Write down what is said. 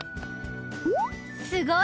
すごい！